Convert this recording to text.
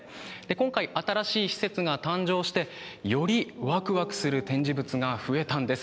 今回、新しい施設が誕生してよりワクワクする展示物が増えたんです。